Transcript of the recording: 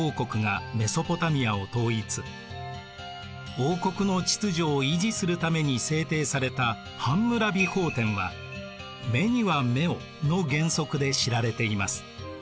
王国の秩序を維持するために制定されたハンムラビ法典は「目には目を」の原則で知られています。